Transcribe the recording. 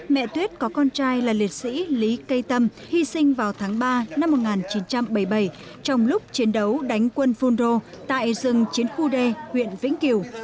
mẹ tuyết có con trai là liệt sĩ lý cây tâm hy sinh vào tháng ba năm một nghìn chín trăm bảy mươi bảy trong lúc chiến đấu đánh quân phun rô tại rừng chiến khu đê huyện vĩnh kiều